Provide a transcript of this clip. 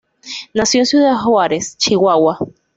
Nació en Ciudad Juárez, Chihuahua.